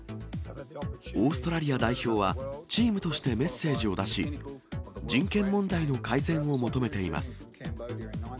オーストラリア代表は、チームとしてメッセージを出し、人権問題の改善を求めています。